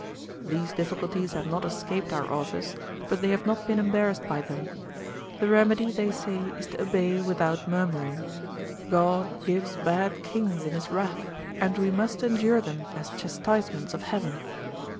These difficulties have not escaped our authors, but they have not been embarrassed by them. The remedy, they say, is to obey without murmuring; God gives bad kings in his wrath, and we must endure them as chas tisements of heaven.